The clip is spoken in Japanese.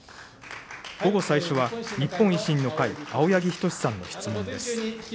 午後最初は、日本維新の会、青柳仁士さんの質問です。